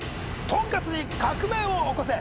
とんかつに革命を起こせ！